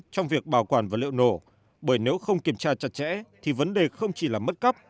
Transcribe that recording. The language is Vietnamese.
trong việc bảo quản vật liệu nổ bởi nếu không kiểm tra chặt chẽ thì vấn đề không chỉ là mất cấp